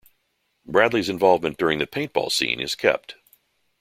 Bradley's involvement during the paintball scene is kept.